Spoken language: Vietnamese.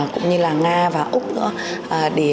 cũng như là nga và úc nữa